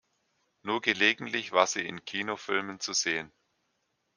Nur gelegentlich war sie in Kinofilmen zu sehen.